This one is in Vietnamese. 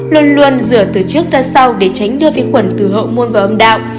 luôn luôn rửa từ trước ra sau để tránh đưa vi khuẩn từ hậu môn vào âm đạo